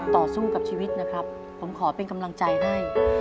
ต่อสู้กับชีวิตนะครับผมขอเป็นกำลังใจให้